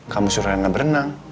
kamu suruh reina berenang